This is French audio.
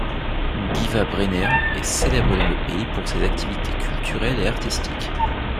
Guivat-Brener est célèbre dans le pays pour ses activités culturelles et artistiques.